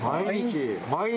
毎日！